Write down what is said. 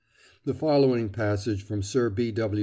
The following passage from Sir B. W.